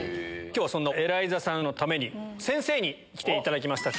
今日はエライザさんのために先生に来ていただきました。